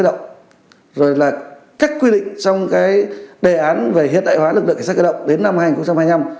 động rồi là các quy định trong cái đề án về hiện đại hóa lực lượng cảnh sát cơ động đến năm hai nghìn hai mươi năm